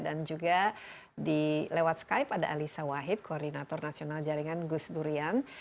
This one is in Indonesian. dan juga di lewat skype ada alisa wahid koordinator nasional jaringan gus durian